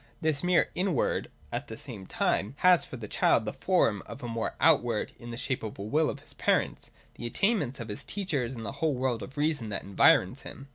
This mere inward, at the same time, has for the child the form of a mere outward, in the shape of the will of his parents, the attainments of his teachers, and the whole world of reason that environs him.